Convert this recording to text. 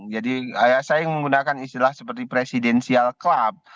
jadi saya menggunakan istilah seperti presidensial club